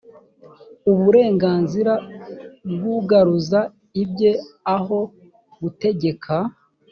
uburenganzira bw ugaruza ibye aho gutegeka.